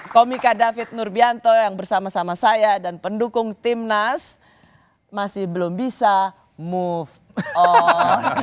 komika david nurbianto yang bersama sama saya dan pendukung timnas masih belum bisa move on